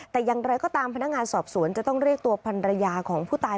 แต่อย่างไรก็ตามพนักงานสอบสวนจะต้องเรียกตัวพันรยาของผู้ตาย